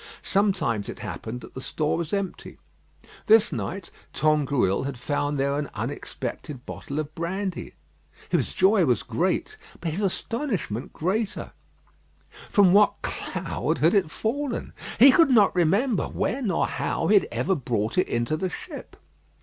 Sometimes it happened that the store was empty. This night Tangrouille had found there an unexpected bottle of brandy. His joy was great; but his astonishment greater. From what cloud had it fallen? He could not remember when or how he had ever brought it into the ship.